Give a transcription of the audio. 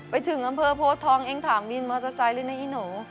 ไปถึงอำเภอโพทองเองถามวินมอเตอร์ไซค์ด้วยนะอีหนู